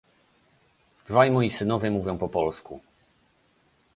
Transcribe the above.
Dwaj moi synowie mówią po polsku